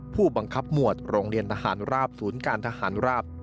ผู้บังคับหมวดโรงเรียนทหารราบศูนย์การทหารราบ